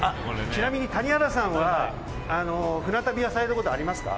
ちなみに、谷原さんは船旅はされたことありますか。